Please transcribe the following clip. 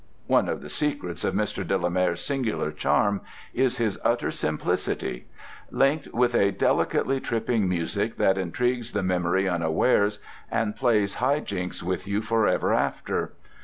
One of the secrets of Mr. de la Mare's singular charm is his utter simplicity, linked with a delicately tripping music that intrigues the memory unawares and plays high jinks with you forever after.